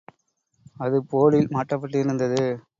அது போர்டில் மாட்டப்பட்டிருந்தது.